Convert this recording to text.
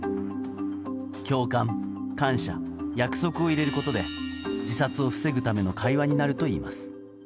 共感・感謝・約束を入れることで自殺を防ぐための会話になるといいます。